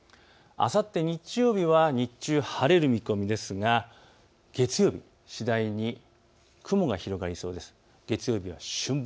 あさって日曜日は日中晴れる見込みですが月曜日、次第に雲が広がりそうです。